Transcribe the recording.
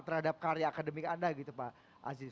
terhadap karya akademik anda gitu pak aziz